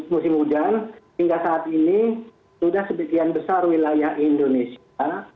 musim hujan hingga saat ini sudah sebagian besar wilayah indonesia